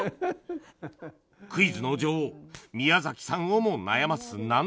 クイズの女王宮崎さんをも悩ます難題